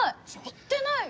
言ってない。